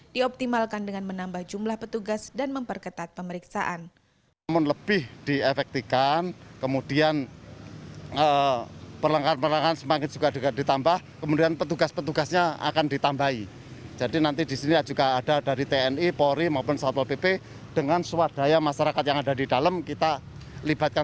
dioptimalkan dengan menambah jumlah petugas dan memperketat pemeriksaan